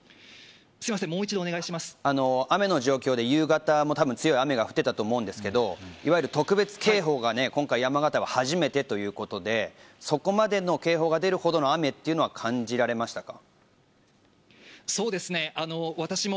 雨の状況で夕方も強い雨が降っていたと思うんですけど、いわゆる特別警報が今回、山形は初めてということで、そこまでの警報が出るほどの雨というふうに感じられましたか？